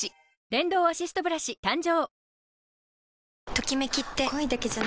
電動アシストブラシ誕生